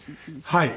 はい。